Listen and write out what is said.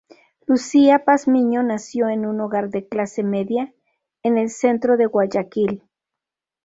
Lucía Pazmiño nació en un hogar de clase media en el centro de Guayaquil.